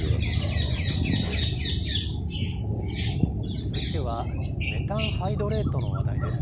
続いては、メタンハイドレートの話題です。